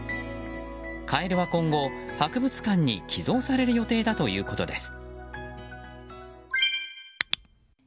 カエルは今後、博物館に寄贈される予定だということです。